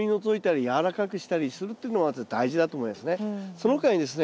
その他にですね